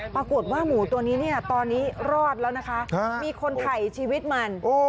ปรากฏว่าหมูตัวนี้เนี่ยตอนนี้รอดแล้วนะคะมีคนถ่ายชีวิตมัน